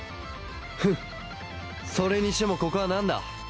ふんそれにしてもここは何だ？